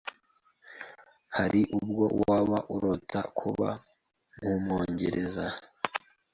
Hari ubwo waba urota kuba nk’Umwongereza,